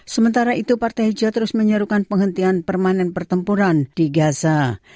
sementara itu partai hijau terus menyerukan penghentian permanen pertempuran di gaza